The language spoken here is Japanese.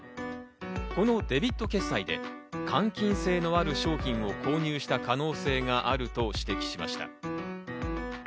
このデビット決済で換金性のある商品を購入した可能性があると指摘しました。